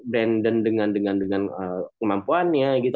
brandon dengan kemampuannya gitu